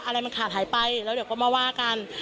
อะไรมันขาดหายไปแล้วเดี๋ยวก็มาว่ากัน